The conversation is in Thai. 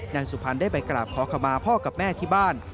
นางสุพรรณได้ไปกราบขอขมาพ่อกับแม่ที่บ้าน